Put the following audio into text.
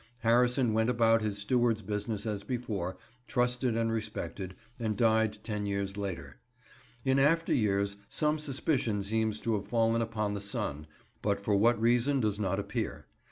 Harrison went about his steward's business as before, trusted and respected, and died ten years later. In after years some suspicion seems to have fallen upon the son, but for what reason does not appear.